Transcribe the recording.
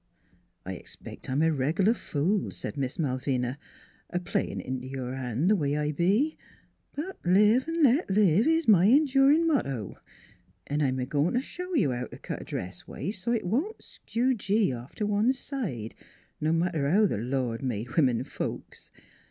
" I expect I'm a reg'lar fool," said Miss Mal vina, " a playin' int' your hand the way I be; but live V let live is my endurin' motto, an' I'm a goin' t' show you how t' cut a dress waist so 't it won't skew gee off t' one side, no matter how th' Lord made women folks.